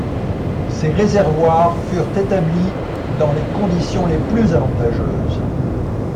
Ces réservoirs furent établis dans les conditions les plus avantageuses.